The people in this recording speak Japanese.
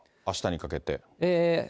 あしたにかけて。